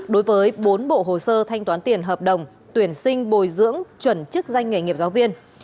đối với bốn bộ hồ sơ thanh toán tiền hợp đồng tuyển sinh bồi dưỡng chuẩn chức danh nghề nghiệp giáo viên